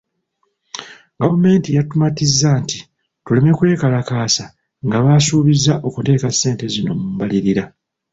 Gavumenti yatumatiza nti ,tuleme kwekalakaasa nga basuubizza okuteeka ssente zino mu mbalirira.